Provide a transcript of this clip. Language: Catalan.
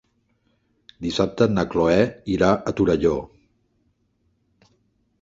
Dissabte na Cloè irà a Torelló.